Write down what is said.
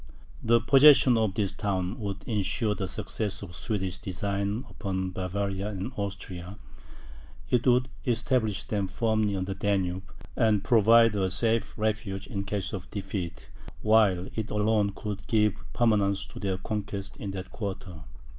The possession of this town would ensure the success of the Swedish designs upon Bavaria and Austria; it would establish them firmly on the Danube, and provide a safe refuge in case of defeat, while it alone could give permanence to their conquests in that quarter.